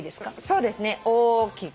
そうですね大きく。